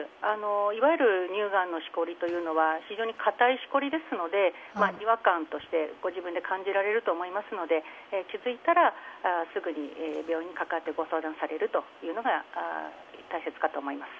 いわゆる乳がんのしこりは非常に硬いしこりですので違和感として、ご自分で感じられると思いますので気付いたらすぐに病院にかかってご相談されるというのが大切かと思います。